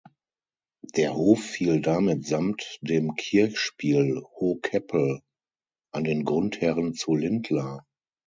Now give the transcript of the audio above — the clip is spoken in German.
Der Hof fiel damit samt dem Kirchspiel Hohkeppel an den Grundherren zu Lindlar.